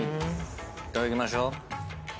いただきましょう。